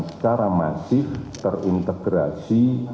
secara masif terintegrasi